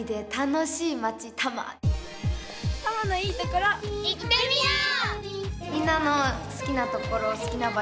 多摩のいいところ行ってみよう！